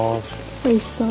おいしそう。